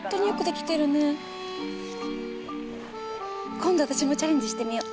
今度私もチャレンジしてみよ。